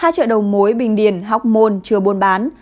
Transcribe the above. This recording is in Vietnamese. hai chợ đầu mối bình điền hóc môn chưa buôn bán